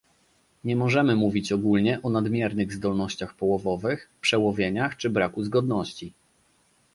Nie możemy mówić ogólnie o nadmiernych zdolnościach połowowych, przełowieniach czy braku zgodności